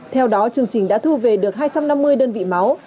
theo đó chương trình đã thu về được hai trăm năm mươi đơn vị máu